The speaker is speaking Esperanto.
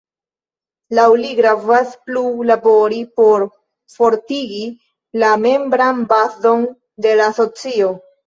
Laŭ li gravas plu labori por fortigi la membran bazon de la asocio.